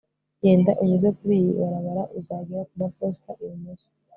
genda unyuze kuriyi barabara uzagera kumaposita ibumoso